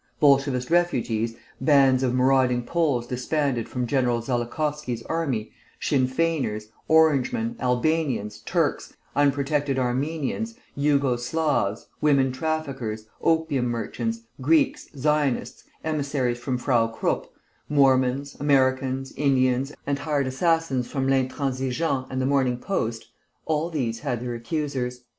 Bolshevist refugees, bands of marauding Poles disbanded from General Zeligowski's army, Sinn Feiners, Orangemen, Albanians, Turks, unprotected Armenians, Jugo Slavs, women traffickers, opium merchants, Greeks, Zionists, emissaries from Frau Krupp, Mormons, Americans, Indians, and hired assassins from l'Intransigeant and the Morning Post all these had their accusers.